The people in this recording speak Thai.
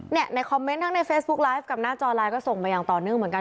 ในคอมเมนต์ทั้งในเฟซบุ๊คไลฟ์กับหน้าจอไลน์ก็ส่งมาอย่างต่อเนื่องเหมือนกัน